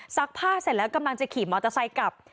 ผ้าเสร็จแล้วกำลังจะขี่มอเตอร์ไซค์กลับ